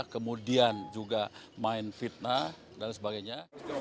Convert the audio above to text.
kemudian juga main fitnah dan sebagainya